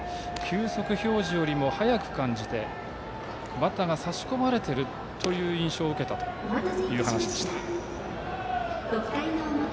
球速表示よりも速く感じてバッターが差し込まれているという印象を受けたという話でした。